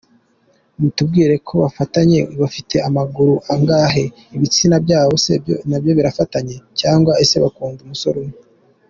Mutubwire kobafatanye bafite amaguru angahe? Ibitsina byabose nabyo birafatanye cg?ese bakunda umusore umwe?.